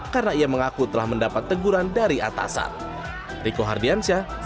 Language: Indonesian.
tapi dia mengaku telah mendapat teguran dari atasan